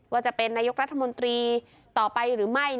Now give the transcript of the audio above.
ว่าจะเป็นนายกรัฐมนตรีต่อไปหรือไม่